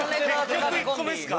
結局１個目ですか？